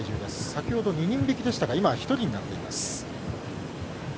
先ほど２人引きでしたが今は１人になっています。